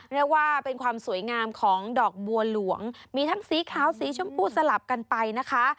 เรียกว่าเป็นความสวยงามของดอกบัวหลวงมีทั้งสีขาวสีชมพูสลับกันไปนะคะ